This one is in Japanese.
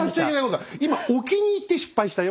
今置きにいって失敗したよ？